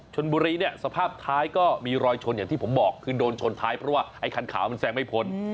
ชนบุรีเนี่ยสภาพท้ายก็มีรอยชนอย่างที่ผมบอกคือโดนชนท้ายเพราะว่าไอ้คันขาวมันแซงไม่พ้น